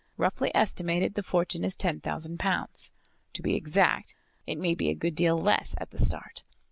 Roughly estimated the fortune is ten thousand pounds. To be exact, it may be a good deal less at the start.